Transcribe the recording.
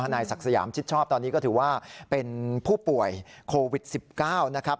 และสักสยามชิดชอบตอนนี้ก็ถือว่าเป็นโควิด๑๙นะครับ